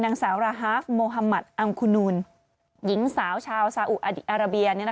นางสาวราฮาคมโฮมัตอัลคูนูลหญิงสาวชาวซาอุอาราเบียน